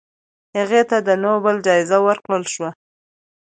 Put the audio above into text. هغې ته د نوبل جایزه ورکړل شوه.